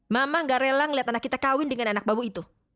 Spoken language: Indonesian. mama gak rela ngeliat anak kita kawin dengan anak bambu itu